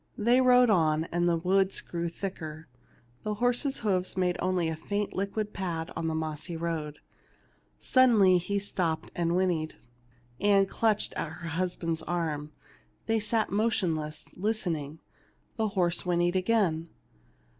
They rode on, and the woods grew thicker ; the horse's hoofs made only a faint liquid pad on the mossy road. Suddenly he stopped and whin nied. Ann clutched her husband's arm ; they sat motionless, listening ; the horse whinnied again.